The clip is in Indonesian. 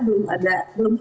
belum ada belum kalah